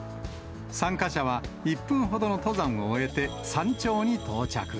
参加者は１分ほどの登山を終えて、山頂に到着。